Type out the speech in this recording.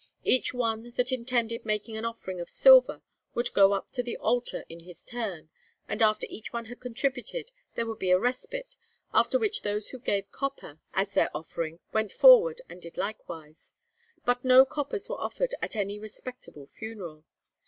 'Each one that intended making an offering of silver, would go up to the altar in his turn, and after each one had contributed there would be a respite, after which those who gave copper as their offering went forward and did likewise; but no coppers were offered at any respectable funeral.